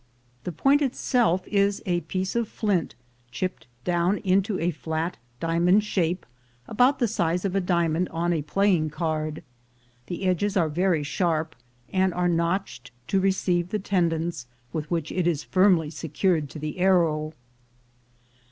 The point itself is a piece of flint chipped down into a flat diamond shape, about the size of a diamond on a playing card; the edges are very sharp, and are notched to receive the tendons with which it is firmly secured to the arrow.